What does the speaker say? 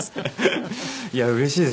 いやうれしいです。